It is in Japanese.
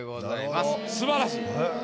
すばらしい。